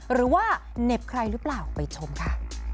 หรือว่าเหน็บใครหรือเปล่าไปชมค่ะ